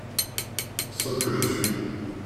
Sotte que je suis !